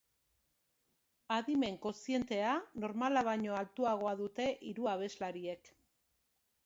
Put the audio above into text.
Adimen-kozientea normala baino altuagoa dute hiru abeslariek.